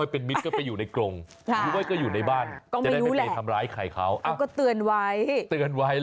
อ๋อเป็นแบบรีเซปชั่น